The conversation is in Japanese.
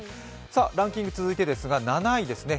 ランキング続いて７位ですね。